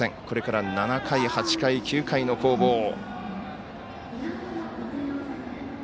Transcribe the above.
これから７回、８回、９回の攻防。